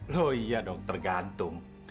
loh iya dong tergantung